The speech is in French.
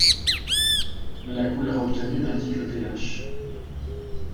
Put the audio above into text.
La couleur obtenue indique le pH.